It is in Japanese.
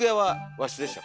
和室でした。